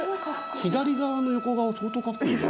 左側の横顔相当カッコいいね。